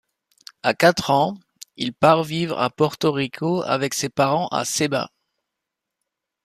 À quatre ans, il part vivre à Porto Rico avec ses parents à Ceiba.